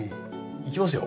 いきますよ？